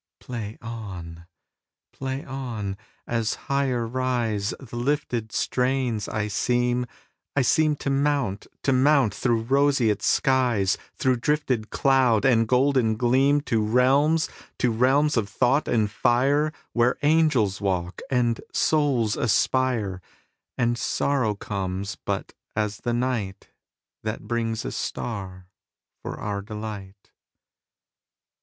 Play on! Play on! As higher riseThe lifted strains, I seem, I seemTo mount, to mount through roseate skies, Through drifted cloud and golden gleam, To realms, to realms of thought and fire, Where angels walk and souls aspire, And sorrow comes but as the nightThat brings a star for our delight.